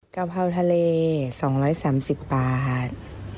กาเพราทะเล๒๓๐บาท